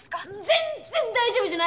全然大丈夫じゃない！